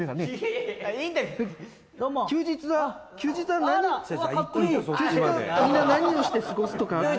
休日はみんな何をして過ごすとか。